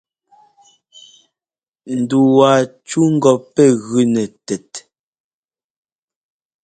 Ndu waa cú ŋgɔ pɛ́ gʉ nɛ tɛt.